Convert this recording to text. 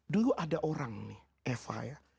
dulu ada orang nih eva ya